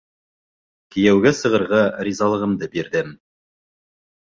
Кейәүгә сығырға ризалығымды бирҙем.